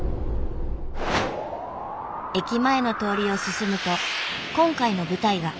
駅前の通りを進むと今回の舞台が。